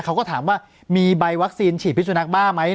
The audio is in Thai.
เขาก็ถามว่ามีใบวัคซีนฉีดพิสุนักบ้าไหม